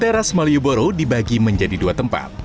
teras malioboro dibagi menjadi dua tempat